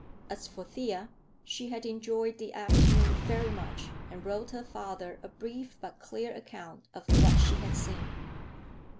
As for Thea, she had enjoyed the afternoon very much, and wrote her father a brief but clear account of what she had seen.